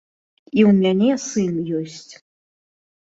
І ў мяне сын ёсць.